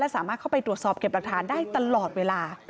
สามารถเข้าไปตรวจสอบเก็บหลักฐานได้ตลอดเวลา